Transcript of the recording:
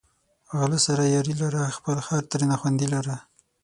غله سره یاري لره، خپل خر ترېنه خوندي لره